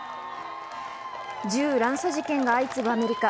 銃乱射事件が相次ぐアメリカ。